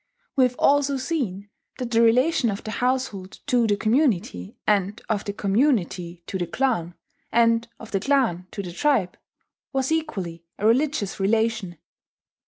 We have also seen that the relation of the household to the community, and of the community to the clan, and of the clan to the tribe, was equally a religious relation.